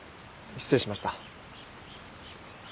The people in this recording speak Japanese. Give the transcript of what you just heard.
失礼しました。